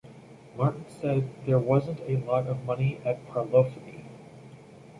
Martin said: There wasn't a lot of money at Parlophone.